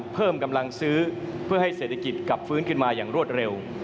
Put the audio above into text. เพิ่มกำลังซื้อเพื่อให้เศรษฐกิจกลับฟื้นขึ้นมาอย่างรวดเร็ว